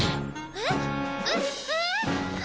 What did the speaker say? えっええ？